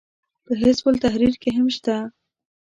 په حزب التحریر کې هم شته.